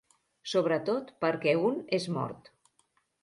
Sobretot perquè un és mort.